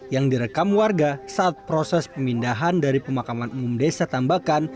yang direkam warga saat proses pemindahan dari pemakaman umum desa tambakan